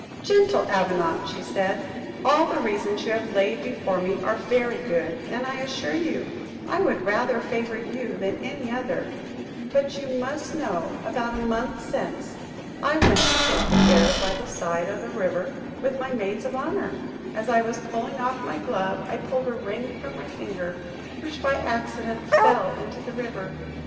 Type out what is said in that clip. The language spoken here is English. "Gentle Avenant," said she, "all the reasons you have laid before me, are very good, and I assure you, I would rather favour you than any other; but you must know, about a month since, I went to take the air by the side of a river, with my maids of honour; as I was pulling off my glove, I pulled a ring from my finger, which by accident fell into the river.